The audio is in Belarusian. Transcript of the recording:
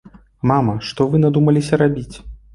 Мама, што вы надумаліся рабіць?